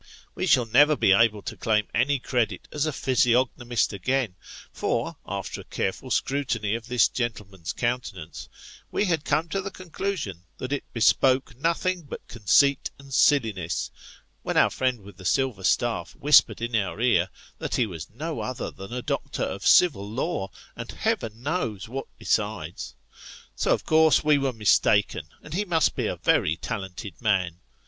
We shall never be able to claim any credit as a physiognomist again, for, after a careful scrutiny of this gentleman's countenance, we had come to the con clusion that it bespoke nothing but conceit and silliness, when our friend with the silver staff whispered in our ear that he was no other than a doctor of civil law, and Heaven knows what besides. So of course we were mistaken, and he must be a very talented man.